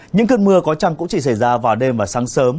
những cơn mưa có chăng cũng chỉ xảy ra vào đêm và sáng sớm